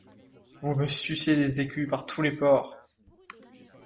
Vous me sucez des écus par tous les pores!